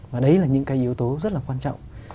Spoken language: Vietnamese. và đấy là những cái yếu tố rất là quan trọng